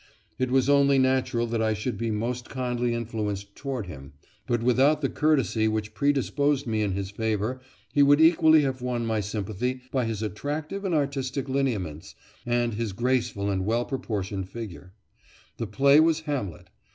It was only natural that I should be most kindly influenced toward him, but without the courtesy which predisposed me in his favour he would equally have won my sympathy by his attractive and artistic lineaments, and his graceful and well proportioned figure. The play was "Hamlet."